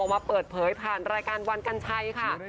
มาเปิดเผยผ่านรายการวันกัญชัยค่ะ